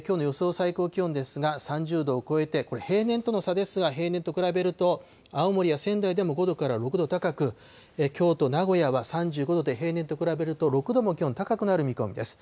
最高気温ですが、３０度を超えて、これ、平年との差ですが、平年と比べると、青森や仙台でも５度から６度高く、京都、名古屋は３５度で平年と比べると６度も気温が高くなる見込みです。